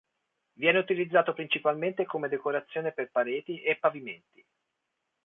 Viene utilizzato principalmente come decorazione per pareti e pavimenti.